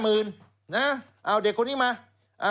เอาเด็กคนนี้มา